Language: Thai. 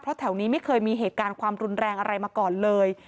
เพราะแถวนี้ไม่เคยมีเหตุการณ์ความรุนแรงอะไรมาก่อนเลย